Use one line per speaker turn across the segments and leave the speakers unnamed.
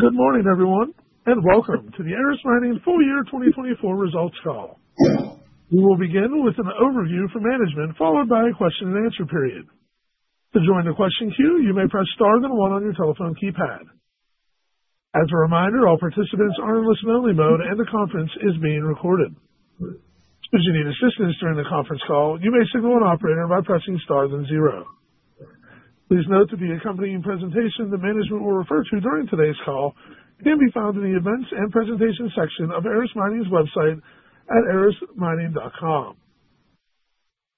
Good morning, everyone, and welcome to the Aris Mining Full Year 2024 Results Call. We will begin with an overview from management, followed by a question-and-answer period. To join the question queue, you may press star then one on your telephone keypad. As a reminder, all participants are in listen-only mode, and the conference is being recorded. Should you need assistance during the conference call, you may signal an operator by pressing star then zero. Please note that the accompanying presentation the management will refer to during today's call can be found in the events and presentation section of Aris Mining's website at arismining.com.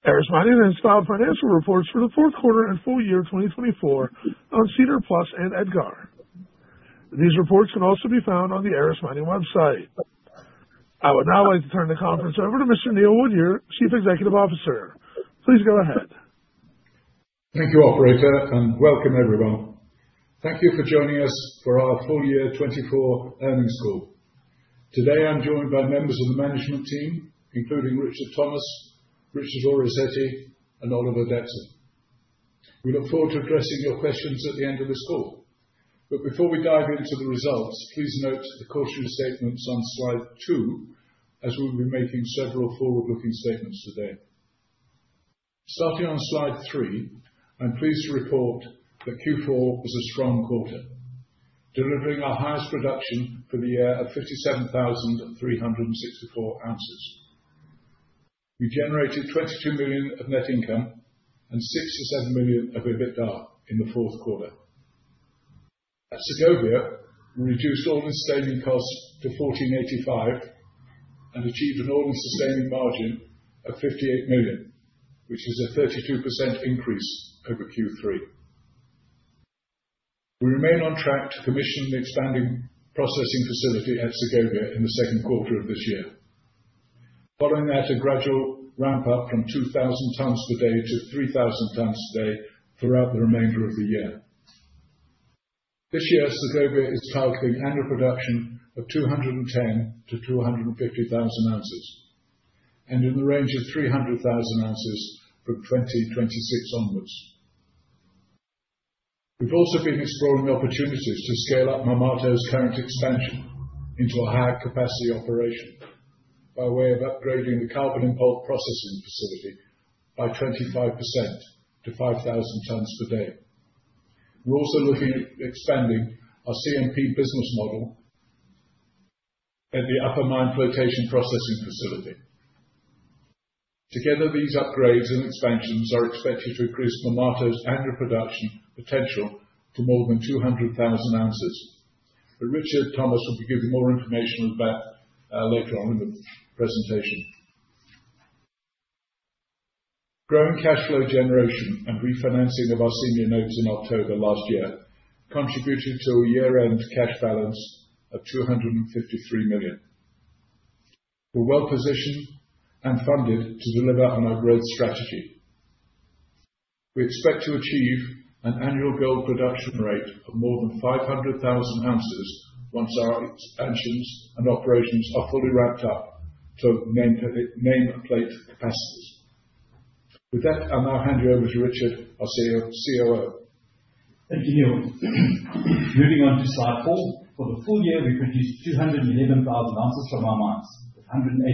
Aris Mining has filed financial reports for the fourth quarter and full year 2024 on SEDAR+ and EDGAR. These reports can also be found on the Aris Mining website. I would now like to turn the conference over to Mr. Neil Woodyer, Chief Executive Officer. Please go ahead.
Thank you operator, and welcome, everyone. Thank you for joining us for our Full Year 2024 Earnings Call. Today, I'm joined by members of the management team, including Richard Thomas, Richard Orazietti, and Oliver Dachsel. We look forward to addressing your questions at the end of this call. Before we dive into the results, please note the caution statements on slide two, as we will be making several forward-looking statements today. Starting on slide three, I'm pleased to report that Q4 was a strong quarter, delivering our highest production for the year of 57,364 ounces. We generated $22 million of net income and $67 million of EBITDA in the fourth quarter. Segovia, we reduced all-in sustaining costs to $1,485 and achieved an all-in sustaining margin of $58 million, which is a 32% increase over Q3. We remain on track to commission the expanding processing facility at Segovia in the second quarter of this year, following that a gradual ramp-up from 2,000 tonnes per day to 3,000 tonnes per day throughout the remainder of the year. This year, Segovia is targeting annual production of 210,000 to 250,000 ounces, and in the range of 300,000 ounces from 2026 onwards. We've also been exploring opportunities to scale up Marmato's current expansion into a higher capacity operation by way of upgrading the carbon-in-pulp processing facility by 25% to 5,000 tonnes per day. We're also looking at expanding our CMP business model at the Upper Mine Flotation processing facility. Together, these upgrades and expansions are expected to increase Marmato's annual production potential to more than 200,000 ounces. Richard Thomas will be giving more information about that later on in the presentation. Growing cash flow generation and refinancing of our senior notes in October last year contributed to a year-end cash balance of $253 million. We're well-positioned and funded to deliver on our growth strategy. We expect to achieve an annual gold production rate of more than 500,000 ounces once our expansions and operations are fully ramped up to nameplate capacities. With that, I'll now hand you over to Richard, our COO.
Thank you, Neil. Moving on to slide four, for the full year, we produced 211,000 ounces from our mines, with 188,000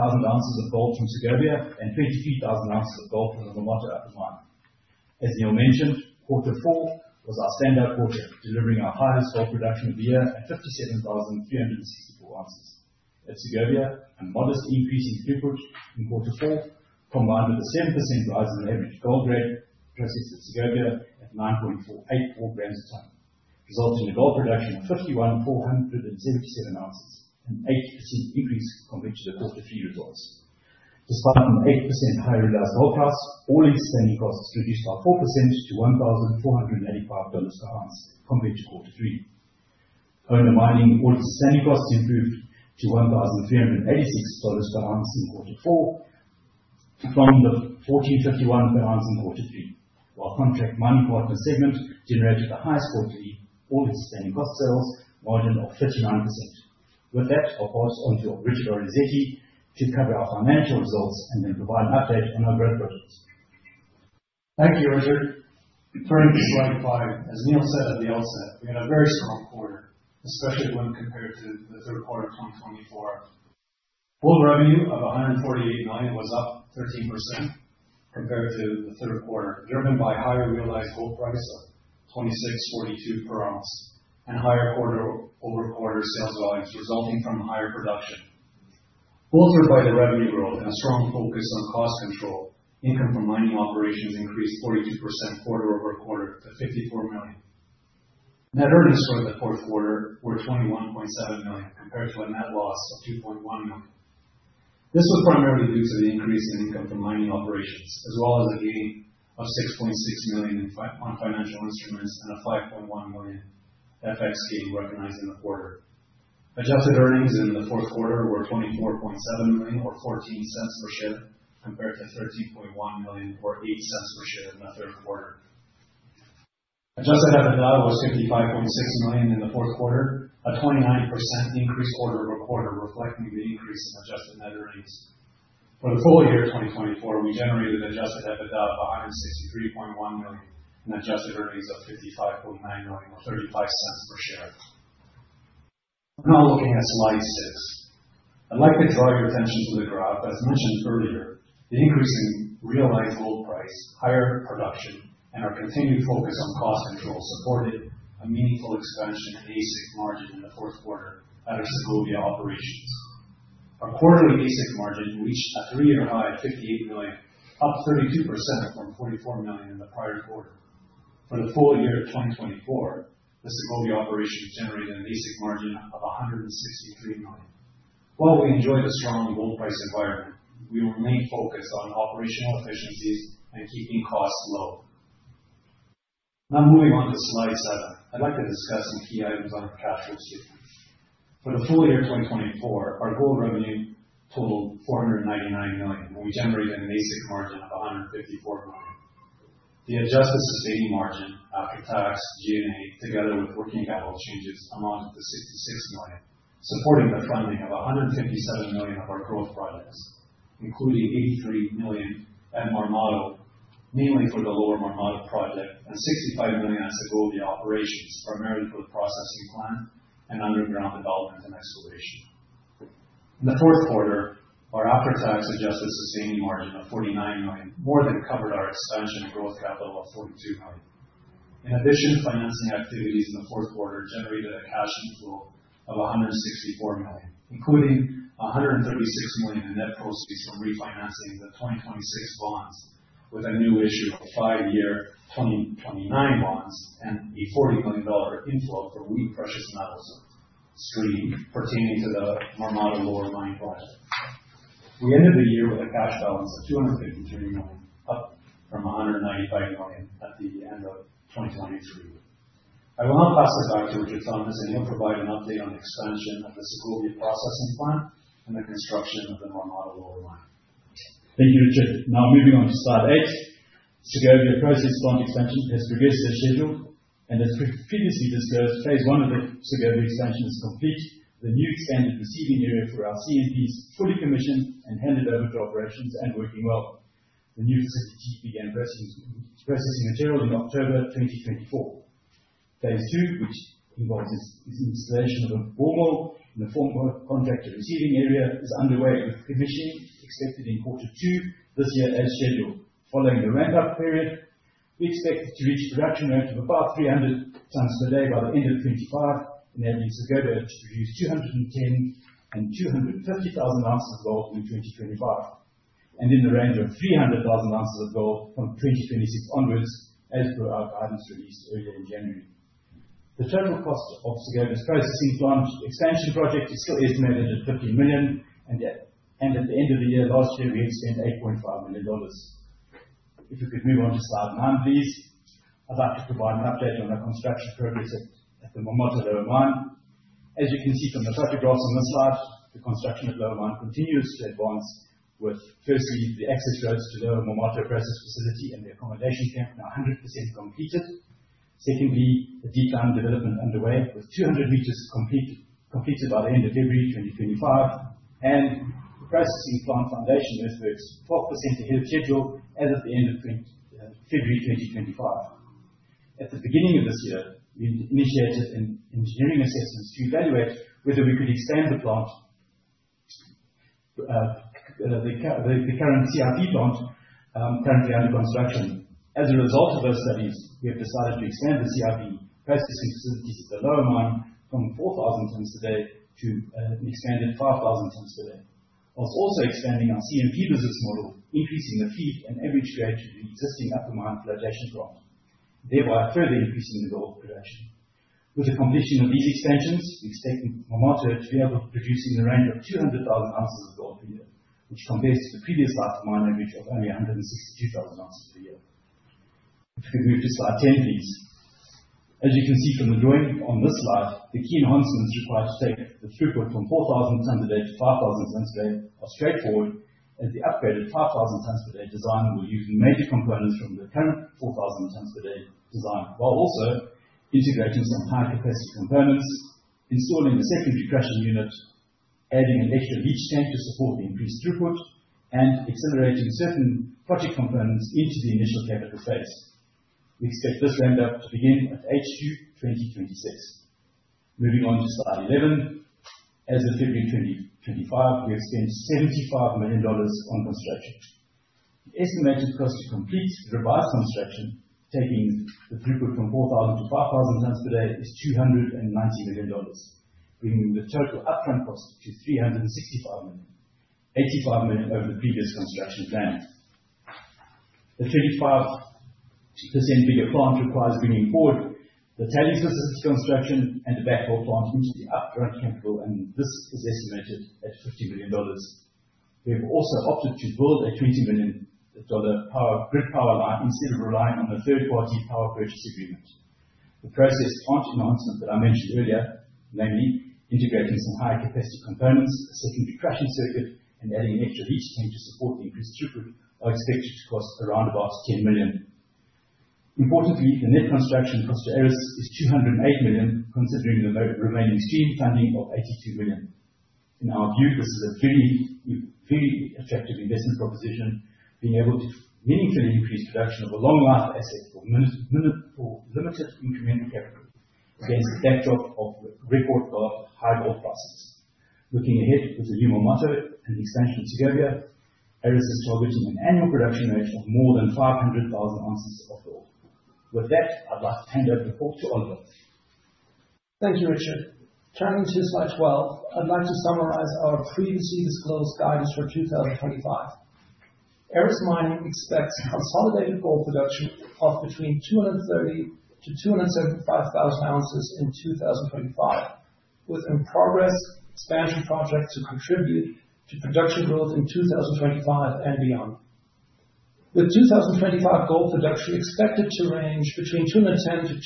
ounces of gold from Segovia and 53,000 ounces of gold from the Marmato Upper Mine. As Neil mentioned, Q4 was our standout quarter, delivering our highest gold production of the year at 57,364 ounces at Segovia, a modest increase in throughput in Q4, combined with a 7% rise in the average gold grade processed at Segovia at 9.484 grams per tonne, resulting in a gold production of 51,477 ounces, an 8% increase compared to the Q3 results. Despite an 8% higher realized gold cost, all-in sustaining costs reduced by 4% to $1,485 per ounce compared to Q3. Owner mining all-in sustaining costs improved to $1,386 per ounce in Q4 from the $1,451 per ounce in Q3, while Contract Mining Partner segment generated the highest quarterly all-in sustaining cost sales margin of 39%. With that, I'll pass on to Richard Orazietti to cover our financial results and then provide an update on our growth project.
Thank you, Richard. Turning to slide five, as Neil said at the outset, we had a very strong quarter, especially when compared to the Third Quarter of 2024. Full revenue of $148 million was up 13% compared to the third quarter, driven by higher realized gold price of $2,642 per ounce and higher quarter-over-quarter sales volumes resulting from higher production. Altered by the revenue growth and a strong focus on cost control, income from mining operations increased 42% quarter-over-quarter to $54 million. Net earnings for the fourth quarter were $21.7 million compared to a net loss of $2.1 million. This was primarily due to the increase in income from mining operations, as well as a gain of $6.6 million on financial instruments and a $5.1 million FX gain recognized in the quarter. Adjusted earnings in the fourth quarter were $24.7 million, or $0.14 per share, compared to $13.1 million, or $0.08 per share in the third quarter. Adjusted EBITDA was $55.6 million in the fourth quarter, a 29% increase quarter-over-quarter, reflecting the increase in Adjusted Net Earnings. For the full year 2024, we generated Adjusted EBITDA of $163.1 million and adjusted earnings of $55.9 million, or $0.35 per share. Now looking at slide six, I'd like to draw your attention to the graph. As mentioned earlier, the increase in realized gold price, higher production, and our continued focus on cost control supported a meaningful expansion in AISC margin in the fourth quarter at our Segovia operations. Our quarterly AISC margin reached a three-year high of $58 million, up 32% from $44 million in the prior quarter. For the full year 2024, the Segovia operations generated an AISC margin of $163 million. While we enjoy the strong gold price environment, we remain focused on operational efficiencies and keeping costs low. Now moving on to slide seven, I'd like to discuss some key items on our cash flow statement. For the full year 2024, our gold revenue totaled $499 million, and we generated an AISC margin of $154 million. The adjusted sustaining margin after tax, G&A, together with working capital changes, amounted to $66 million, supporting the funding of $157 million of our growth projects, including $83 million at Marmato, mainly for the Lower Marmato project, and $65 million at Segovia operations, primarily for the processing plant and underground development and excavation. In the fourth quarter, our after-tax adjusted sustaining margin of $49 million more than covered our expansion and growth capital of $42 million. In addition, financing activities in the fourth quarter generated a cash inflow of $164 million, including $136 million in net proceeds from refinancing the 2026 bonds with a new issue of five-year 2029 bonds and a $40 million inflow from Wheaton Precious Metals stream pertaining to the Marmato Lower Mine project. We ended the year with a cash balance of $253 million, up from $195 million at the end of 2023. I will now pass it back to Richard Thomas, and he'll provide an update on the expansion of the Segovia plant and the construction of the Marmato Lower Mine.
Thank you, Richard. Now moving on to slide eight, Segovia plant expansion has progressed as scheduled, and as previously disclosed, phase one of the Segovia expansion is complete. The new expanded receiving area for our CMP is fully commissioned and handed over to operations and working well. The new facility began processing materials in October 2024. Phase two, which involves the installation of a formal and informal contractor receiving area, is underway, with commissioning expected in Q2 this year as scheduled. Following the ramp-up period, we expect to reach a production rate of about 300 tonnes per day by the end of 2025, enabling Segovia to produce 210,000 and 250,000 ounces of gold in 2025, and in the range of 300,000 ounces of gold from 2026 onwards, as per our guidance released earlier in January. The total cost of Segovia's processing plant expansion project is still estimated at $15 million, and at the end of the year last year, we expended $8.5 million. If we could move on to slide nine, please. I'd like to provide an update on our construction progress at the Marmato Lower Mine. As you can see from the photographs on the slide, the construction at Lower Mine continues to advance, with firstly, the access roads to Lower Marmato process facility and the accommodation camp now 100% completed. Secondly, the deep mining development underway, with 200 meters completed by the end of February 2025, and the processing plant foundation is that 12% ahead of schedule as of the end of February 2025. At the beginning of this year, we initiated engineering assessments to evaluate whether we could expand the plant, the current CIP plant currently under construction. As a result of those studies, we have decided to expand the CIP processing facilities at the Lower Mine from 4,000 tonnes per day to an expanded 5,000 tonnes per day. Whilst also expanding our CMP business model, increasing the feed and average grade to the existing Upper Mine Flotation plant, thereby further increasing the gold production. With the completion of these expansions, we expect Marmato to be able to produce in the range of 200,000 ounces of gold per year, which compares to the previous life-of-mine average of only 162,000 ounces per year. If we could move to slide ten, please. As you can see from the drawing on this slide, the key enhancements required to take the throughput from 4,000 tonnes per day to 5,000 tonnes per day are straightforward, as the upgraded 5,000 tonnes per day design will use major components from the current 4,000 tonnes per day design, while also integrating some high-capacity components, installing a secondary crusher unit, adding an extra leach tank to support the increased throughput, and accelerating certain project components into the initial capital phase. We expect this ramp-up to begin at Q1 2026. Moving on to slide eleven, as of February 2025, we expended $75 million on construction. The estimated cost to complete revised construction, taking the throughput from 4,000 to 5,000 tonnes per day, is $290 million, bringing the total upfront cost to $365 million, $85 million over the previous construction plan. The 35% bigger plant requires bringing forward the tailings facility construction and the backfill plant into the upfront capital, and this is estimated at $50 million. We have also opted to build a $20 million power grid power line instead of relying on a third-party power purchase agreement. The process plant enhancement that I mentioned earlier, namely integrating some high-capacity components, a secondary crusher circuit, and adding an extra leach tank to support the increased throughput, are expected to cost around about $10 million. Importantly, the net construction cost to Aris is $208 million, considering the remaining stream funding of $82 million. In our view, this is a very, very attractive investment proposition, being able to meaningfully increase production of a long-life asset for limited incremental capital against the backdrop of record high gold prices. Looking ahead with the new Marmato and the expansion of Segovia, Aris is targeting an annual production rate of more than 500,000 ounces of gold. With that, I'd like to hand over the floor to Oliver.
Thank you, Richard. Turning to slide twelve, I'd like to summarize our previously disclosed guidance for 2025. Aris Mining expects consolidated gold production of between 230,000-275,000 ounces in 2025, with in-progress expansion projects to contribute to production growth in 2025 and beyond. With 2025 gold production expected to range between 210,000-250,000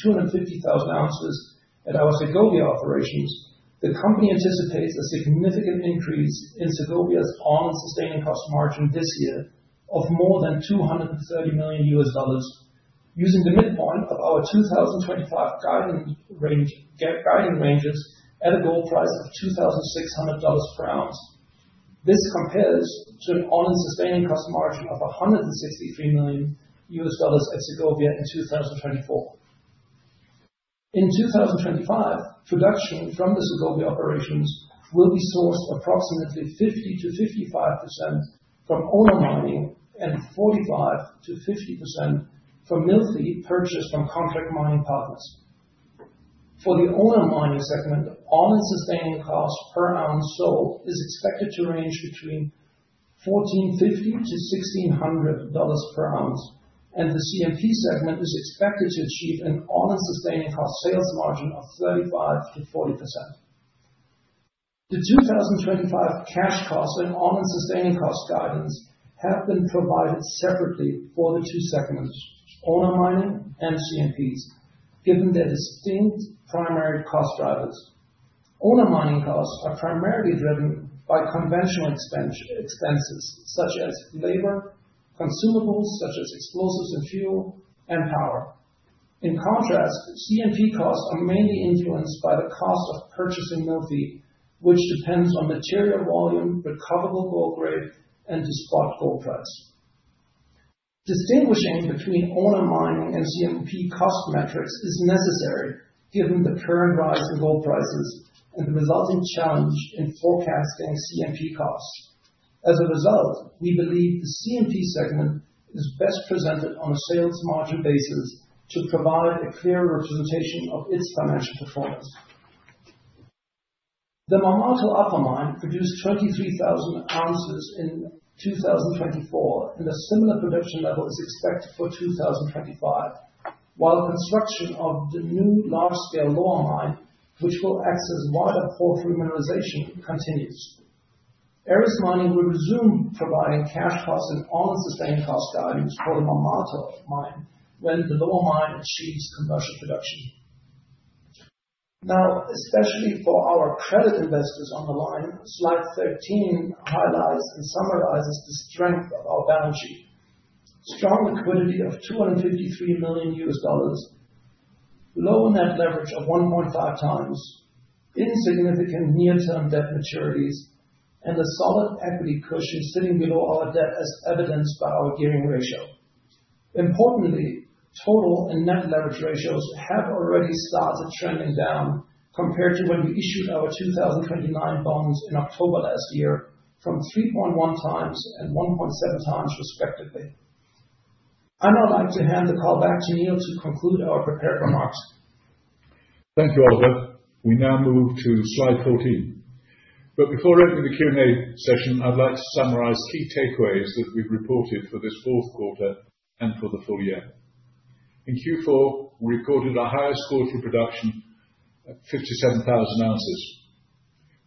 ounces at our Segovia operations, the company anticipates a significant increase in Segovia's all-in sustaining cost margin this year of more than $230 million, using the midpoint of our 2025 guiding ranges at a gold price of $2,600 per ounce. This compares to an all-in sustaining cost margin of $163 million at Segovia in 2024. In 2025, production from the Segovia operations will be sourced approximately 50%-55% from owner mining and 45%-50% from mill feed purchased from Contract Mining Partners. For the owner mining segment, all-in sustaining cost per ounce sold is expected to range between $1,450-$1,600 per ounce, and the CMP segment is expected to achieve an all-in sustaining cost sales margin of 35%-40%. The 2025 cash cost and all-in sustaining cost guidance have been provided separately for the two segments, owner mining and CMPs, given their distinct primary cost drivers. Owner mining costs are primarily driven by conventional expenses such as labor, consumables such as explosives and fuel, and power. In contrast, CMP costs are mainly influenced by the cost of purchasing mill feed, which depends on material volume, recoverable gold grade, and the spot gold price. Distinguishing between owner mining and CMP cost metrics is necessary given the current rise in gold prices and the resulting challenge in forecasting CMP costs. As a result, we believe the CMP segment is best presented on a sales margin basis to provide a clearer representation of its financial performance. The Marmato Upper Mine produced 23,000 ounces in 2024, and a similar production level is expected for 2025, while construction of the new large-scale lower mine, which will access wider porphyry mineralization, continues. Aris Mining will resume providing cash cost and all-in sustaining cost values for the Marmato mine when the lower mine achieves commercial production. Now, especially for our credit investors on the line, slide thirteen highlights and summarizes the strength of our balance sheet: strong liquidity of $253 million, low net leverage of 1.5 times, insignificant near-term debt maturities, and a solid equity cushion sitting below our debt as evidenced by our gearing ratio. Importantly, total and net leverage ratios have already started trending down compared to when we issued our 2029 bonds in October last year, from 3.1 times and 1.7 times, respectively. I'd now like to hand the call back to Neil to conclude our prepared remarks.
Thank you, Oliver. We now move to slide fourteen. Before opening the Q&A session, I'd like to summarize key takeaways that we've reported for this fourth quarter and for the full year. In Q4, we recorded our highest quarterly production at 57,000 ounces.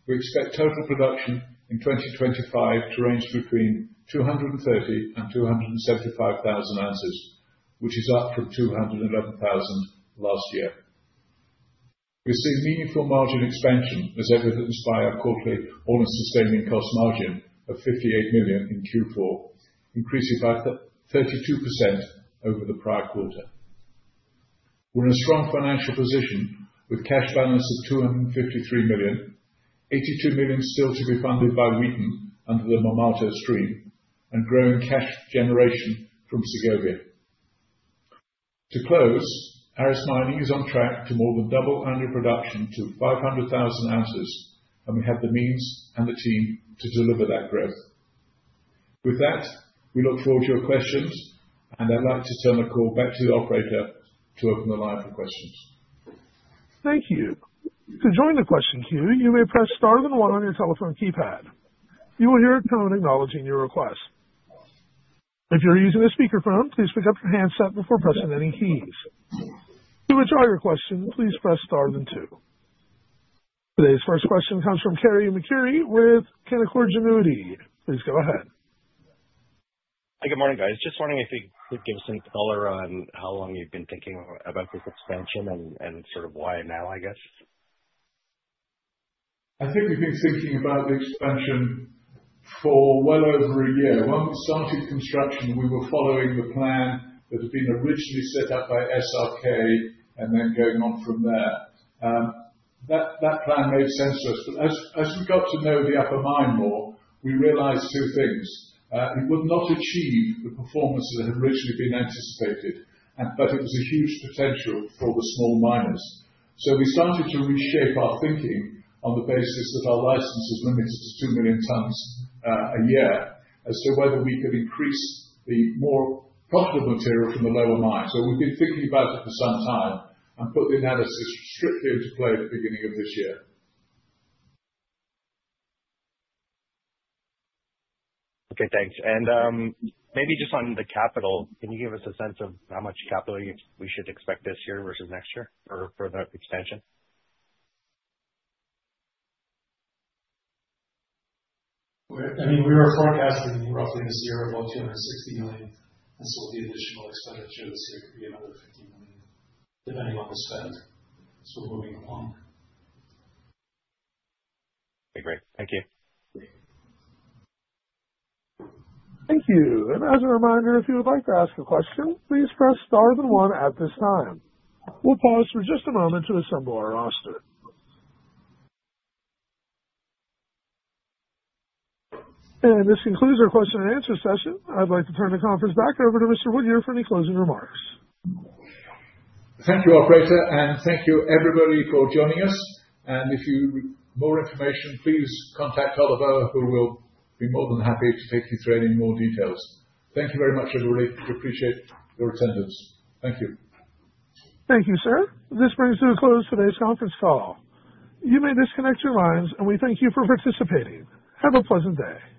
We expect total production in 2025 to range between 230,000-275,000 ounces, which is up from 211,000 last year. We've seen meaningful margin expansion as evidenced by our quarterly all-in sustaining cost margin of $58 million in Q4, increasing by 32% over the prior quarter. We're in a strong financial position with cash balance of $253 million, $82 million still to be funded by Wheaton under the Marmato stream, and growing cash generation from Segovia. To close, Aris Mining is on track to more than double annual production to 500,000 ounces, and we have the means and the team to deliver that growth. With that, we look forward to your questions, and I'd like to turn the call back to the operator to open the line for questions.
Thank you. To join the question queue, you may press star then one on your telephone keypad. You will hear a tone acknowledging your request. If you're using a speakerphone, please pick up your handset before pressing any keys. To withdraw your question, please press star then two. Today's first question comes from Carey MacRury with Canaccord Genuity. Please go ahead.
Hi, good morning, guys. Just wondering if you could give us some color on how long you've been thinking about this expansion and sort of why now, I guess.
I think we've been thinking about the expansion for well over a year. When we started construction, we were following the plan that had been originally set up by SRK and then going on from there. That plan made sense to us, but as we got to know the upper mine more, we realized two things. It would not achieve the performance that had originally been anticipated, but it was a huge potential for the small miners. We started to reshape our thinking on the basis that our license was limited to 2 million tonnes a year as to whether we could increase the more profitable material from the lower mines. We've been thinking about it for some time and put the analysis strictly into play at the beginning of this year.
Okay, thanks. Maybe just on the capital, can you give us a sense of how much capital we should expect this year versus next year for the expansion?
I mean, we were forecasting roughly this year about $260 million, and the additional expenditure this year could be another $50 million depending on the spend. We are moving along.
Okay, great. Thank you.
Thank you. As a reminder, if you would like to ask a question, please press star then one at this time. We'll pause for just a moment to assemble our roster. This concludes our question-and-answer session. I'd like to turn the conference back over to Mr. Woodyer for any closing remarks.
Thank you, operator, thank you, everybody, for joining us. If you need more information, please contact Oliver, who will be more than happy to take you through any more details. Thank you very much, everybody. We appreciate your attendance. Thank you.
Thank you, sir. This brings to a close today's conference call. You may disconnect your lines, and we thank you for participating. Have a pleasant day.